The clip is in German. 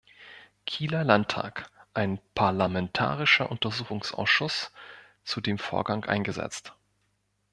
Kieler Landtag ein Parlamentarischer Untersuchungsausschuss zu dem Vorgang eingesetzt.